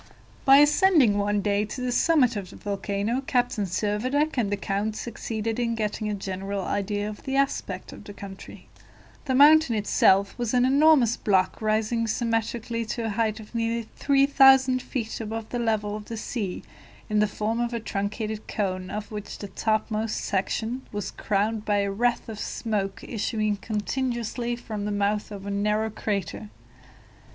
By ascending one day to the summit of the volcano, Captain Servadac and the count succeeded in getting a general idea of the aspect of the country. The mountain itself was an enormous block rising symmetrically to a height of nearly 3,000 feet above the level of the sea, in the form of a truncated cone, of which the topmost section was crowned by a wreath of smoke issuing continuously from the mouth of a narrow crater.